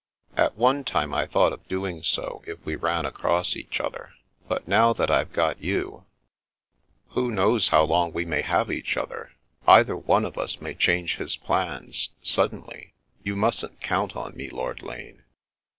" At one time I thought of doing so, if we ran across each other. But now that I've got you " 232 The Princess Passes " Who knows how long we may have each other ? Either one of us may change his plans — ^suddenly. You mustn't count on me, Lord Lane."